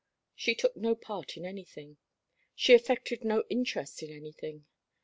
She took no part in anything. She affected no interest in anything.